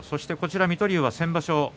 水戸龍は先場所